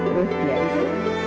terus dia itu